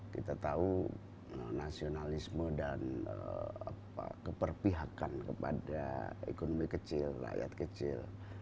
kita tahu nasionalisme dan keperpihakan kepada ekonomi kecil rakyat kecil